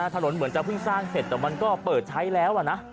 ถนนเหมือนจะเพิ่งสร้างเสร็จแต่มันก็เปิดใช้แล้วนะ